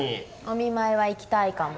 お見舞いは行きたいかも。